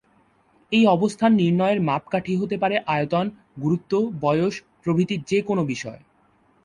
এই অবস্থান নির্ণয়ের মাপকাঠি হতে পারে আয়তন, গুরুত্ব, বয়স প্রভৃতি যে কোনো বিষয়।